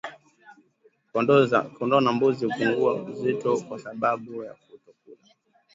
Kondoo na mbuzi hupungua uzito kwa sababu ya kutokula